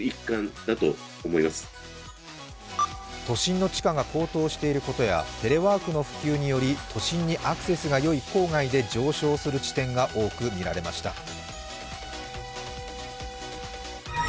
都心の地価が高騰していることや、テレワークの普及により都心にアクセスがよい郊外で上昇する地点が多く見られました。